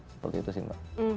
seperti itu sih mbak